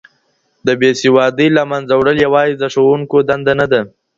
د بې سوادۍ له منځه وړل یوازي د ښوونکو دنده نه ده.